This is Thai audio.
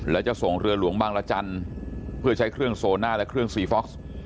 และจะส่งเรือหลวงบางรจันทร์เพื่อใช้เครื่องโซน่าและเครื่องซีฟ็อกซ์